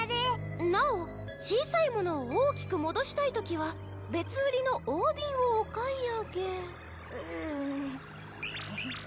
「なお小さいものを大きく戻したいときは別売りの大ビンをお買い上げ」ううヘヘ。